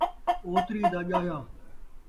اوتری دا ڄایا